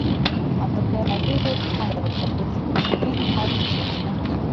matokeo ya duru la kwanza la uchaguzi nchini haiti yametangazwa